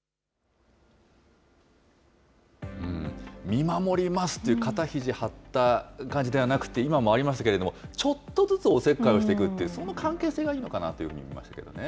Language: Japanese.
見守りますっていう肩ひじ張った感じではなくて、今もありましたけれども、ちょっとずつおせっかいをしていくっていう、その関係性がいいのかなというふうに思いましたけどね。